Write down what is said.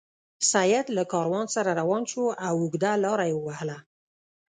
سید له کاروان سره روان شو او اوږده لار یې ووهله.